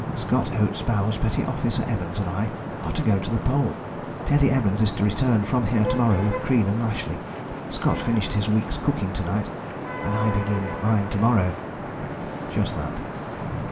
Scott, Oates, Bowers, Petty Officer Evans and I are to go to the Pole. Teddie Evans is to return from here to morrow with Crean and Lashly. Scott finished his week's cooking to night and I begin mine to morrow." Just that.